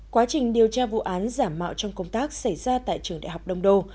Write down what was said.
quá trình điều tra vụ án giả mạo trong công tác xảy ra tại trường đại học đông đô